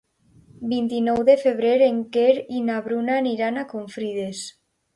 El vint-i-nou de febrer en Quer i na Bruna aniran a Confrides.